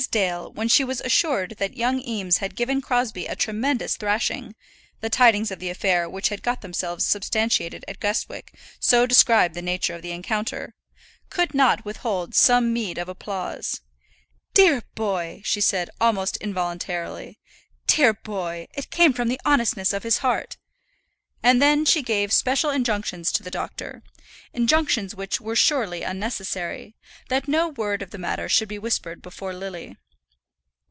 Dale, when she was assured that young Eames had given Crosbie a tremendous thrashing the tidings of the affair which had got themselves substantiated at Guestwick so described the nature of the encounter could not withhold some meed of applause. "Dear boy!" she said, almost involuntarily. "Dear boy! it came from the honestness of his heart!" And then she gave special injunctions to the doctor injunctions which were surely unnecessary that no word of the matter should be whispered before Lily.